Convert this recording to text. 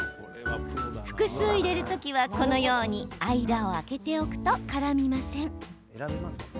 複数入れる時は、このように間を空けておくと絡みません。